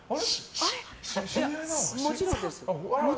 もちろんです。